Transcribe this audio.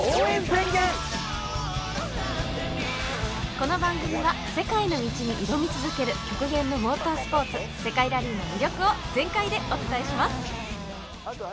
この番組は世界の道に挑み続ける極限のモータースポーツ世界ラリーの魅力を全開でお伝えします。